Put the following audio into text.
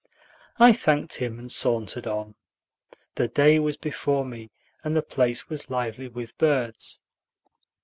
I thanked him, and sauntered on. The day was before me, and the place was lively with birds.